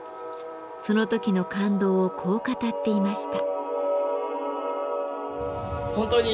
その時の感動をこう語っていました。